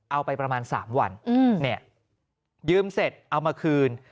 เอาไปประมาณ๓วันเนี่ยยืมเสร็จเอามาคืน